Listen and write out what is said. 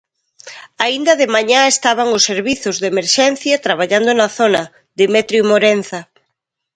Aínda de mañá estaban os servizos de emerxencia traballando na zona, Demetrio Morenza.